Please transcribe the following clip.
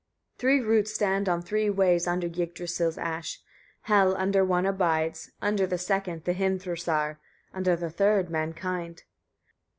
31. Three roots stand on three ways under Yggdrasil's ash: Hel under one abides, under the second the Hrimthursar, under the third mankind.